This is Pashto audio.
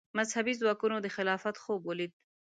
مذهبي ځواکونو د خلافت خوب ولید